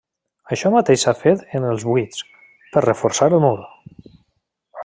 Això mateix s'ha fet en els buits, per reforçar el mur.